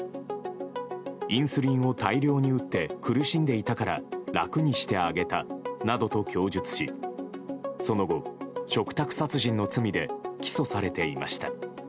インスリンを大量に打って苦しんでいたから楽にしてあげたなどと供述しその後、嘱託殺人の罪で起訴されていました。